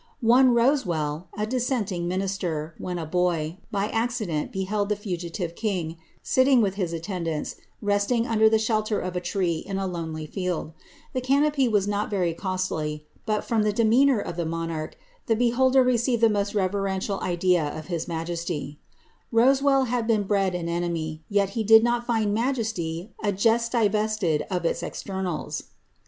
'* One Roaewell, a km minister, when a boy, by aeeident beheld die ingidfe kiiWt wkb his attendants^ resting nnder the shelter of a tree hi a lon^ ttm canopy was not Teiy coatly, but, from the demeanoor of tM hf the beholder reeeived the most reverential idea of his majeety. ril had been bred an enemy, yet he did not find ^majeety a jest d of its externals.''